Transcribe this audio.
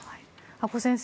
阿古先生